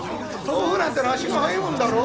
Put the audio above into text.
豆腐なんてのは足の早えもんだろ？